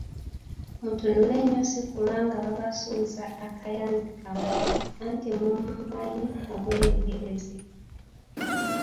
Mutunule nnyo si kulwa nga babasuuza akayanzi kammwe, anti mumumanyi omweyogereze .